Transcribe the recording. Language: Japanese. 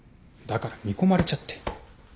だから見込まれちゃって。